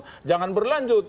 ini malah berlanjut